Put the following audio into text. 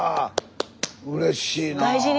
うれしいな。